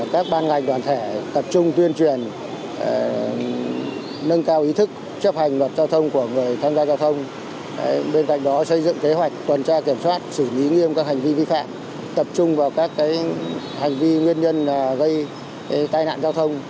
cách đó xây dựng kế hoạch tuần tra kiểm soát xử lý nghiêm các hành vi vi phạm tập trung vào các hành vi nguyên nhân gây tai nạn giao thông